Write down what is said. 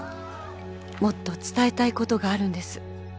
「もっと伝えたいことがあるんです」